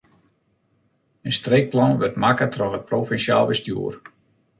In streekplan wurdt makke troch it provinsjaal bestjoer.